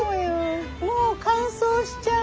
もう乾燥しちゃう！」